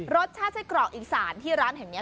รสชาติไส้กรอกอีสานที่ร้านแห่งนี้